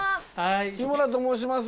日村と申します。